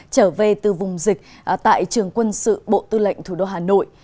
trở về từ vùng dịch tại trường quân sự bộ tư lệnh thủ đô hà nội